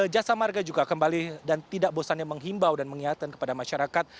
jasa marga juga kembali dan tidak bosannya menghimbau dan mengingatkan kepada masyarakat